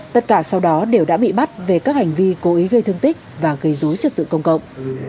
tất cả sau đó đều đã bị bắt về các hành vi cố ý gây thương tích và gây dối trật tự công cộng